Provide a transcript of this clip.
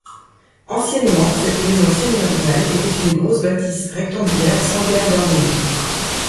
Anciennement, cette maison seigneuriale était une grosse bâtisse rectangulaire sans guère d'ornements.